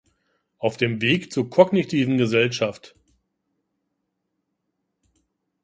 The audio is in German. Auf dem Weg zur kognitiven Gesellschaft.